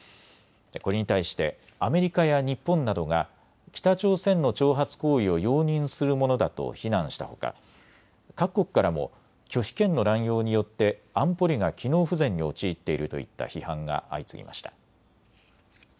これに対してアメリカや日本などが北朝鮮の挑発行為を容認するものだと非難したほか各国からも拒否権の乱用によって安保理が機能不全に陥っているといった批判が相次ぎました。